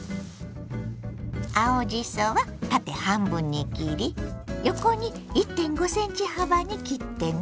青じそは縦半分に切り横に１．５ｃｍ幅に切ってね。